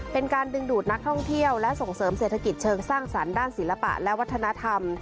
เป็นการดึงดูดนักท่องเที่ยวและส่งเสริมเศรษฐกิจเชิงสร้างสรรค์ด้านศิลปะและวัฒนธรรม